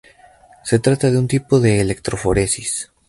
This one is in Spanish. Se trata de un tipo de electroforesis.